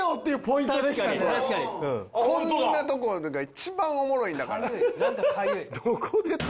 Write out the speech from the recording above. こんな所が一番おもろいんだから。